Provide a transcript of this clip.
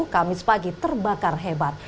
kamis pagi terbakar hebat